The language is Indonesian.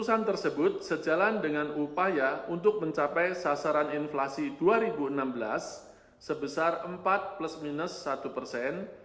bank indonesia juga dengan upaya untuk mencapai sasaran inflasi dua ribu enam belas sebesar empat satu persen